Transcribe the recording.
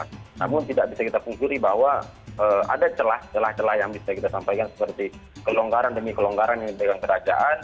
namun tidak bisa kita pungkiri bahwa ada celah celah celah yang bisa kita sampaikan seperti kelonggaran demi kelonggaran yang dipegang kerajaan